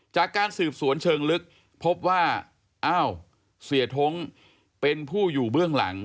จากการสืบสวนเชิงลึกพบว่าอ้าวเสียท้งเป็นผู้อยู่เบื้องหลัง